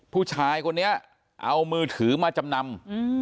ผู้ชายคนนี้เอามือถือมาจำนำ